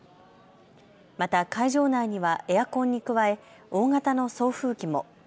また、会場内にはエアコンに加え大型の送風機も。